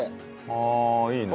ああいいね。